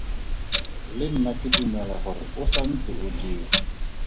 Le nna ke dumela gore o sa ntse o dira.